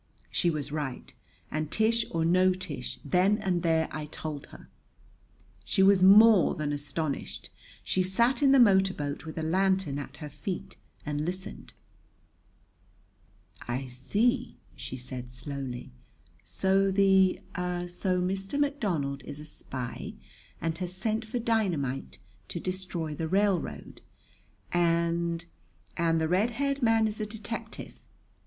She was right; and, Tish or no Tish, then and there I told her. She was more than astonished. She sat in the motor boat, with a lantern at her feet, and listened. "I see," she said slowly. "So the so Mr. McDonald is a spy and has sent for dynamite to destroy the railroad! And and the red haired man is a detective!